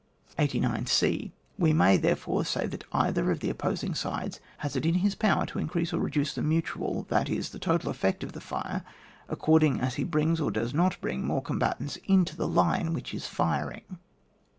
89 c. We may, therefore, say that either of the opposing sides has it in his power to increase or reduce the mutual, that is, the total effect of the fire, accord ing as he brings or does not bring more combatants into the line ;Krhich is firing.